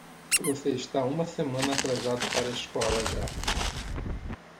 Você está uma semana atrasado para a escola já.